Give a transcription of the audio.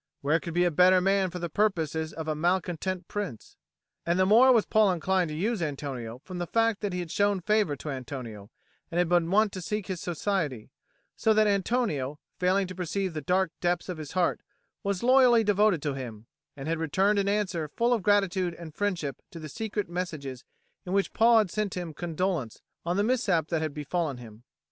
Where could be a better man for the purposes of a malcontent prince? And the more was Paul inclined to use Antonio from the fact that he had shown favour to Antonio, and been wont to seek his society; so that Antonio, failing to pierce the dark depths of his heart, was loyally devoted to him, and had returned an answer full of gratitude and friendship to the secret messages in which Paul had sent him condolence on the mishap that had befallen him.